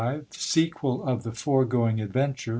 V. — Sequel of the foregoing adventure.